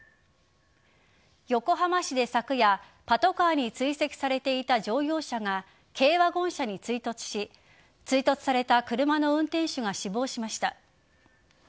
横浜市で昨夜パトカーに追跡されていた乗用車が軽ワゴン車に追突し追突された車の運転手が死亡しました。